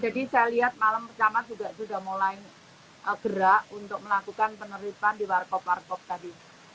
jadi saya lihat malam pertama sudah mulai gerak untuk melakukan penerimaan di warcop warcop tadi